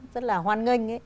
rất là hoan nghênh